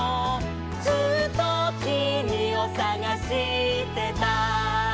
「ずっときみをさがしてた」